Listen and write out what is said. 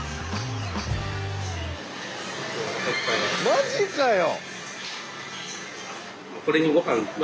マジかよ！